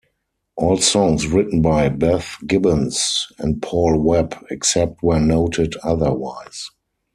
All songs written by Beth Gibbons and Paul Webb, except where noted otherwise.